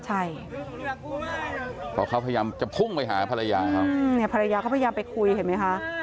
ใช่เพราะเขาพยายามจะพุ่งไปหาภรรยาเขาเนี่ยภรรยาก็พยายามไปคุยเห็นไหมคะ